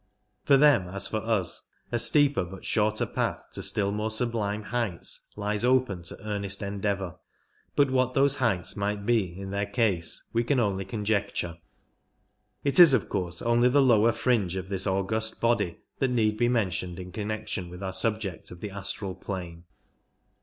For them, as for 64 US, a steeper but shorter path to still more sublime heights lies open to earnest endeavour ; but what those heights may be in their case we can only conjecture. It is of course only the lower fringe of this august body that need be mentioned in connection with our subject of the astral plane.